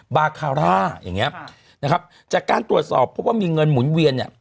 บาคาร่าอย่างเงี้ยนะครับจากการตรวจสอบพบว่ามีเงินหมุนเวียนเนี่ย